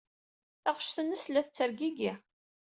Taɣect-nnes tella tettergigi.